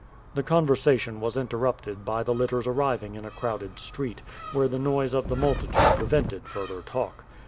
The conversation was interrupted by the litters arriving in a crowded street, where the noise of the multitude pic vented further talk.